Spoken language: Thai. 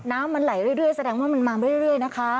น้ำมันไหลเรื่อยแสดงว่ามันมาเรื่อยนะคะ